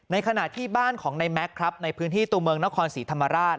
ขณะที่บ้านของในแม็กซ์ครับในพื้นที่ตัวเมืองนครศรีธรรมราช